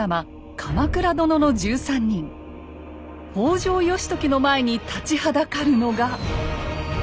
北条義時の前に立ちはだかるのが。